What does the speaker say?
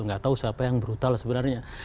gatau siapa yang brutal sebenarnya